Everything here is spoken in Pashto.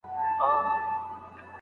بریالیو خلګو تل توازن مراعات کړی دی.